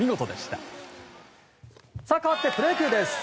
変わってプロ野球です。